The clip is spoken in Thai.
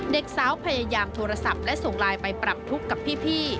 เด็กสาวพยายามโทรศัพท์และส่งไลน์ไปปรับทุกข์กับพี่